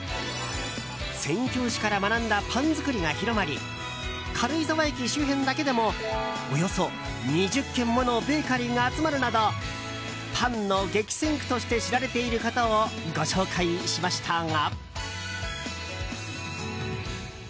宣教師から学んだパン作りが広まり軽井沢駅周辺だけでもおよそ２０軒ものベーカリーが集まるなどパンの激戦区として知られていることをご紹介しましたが。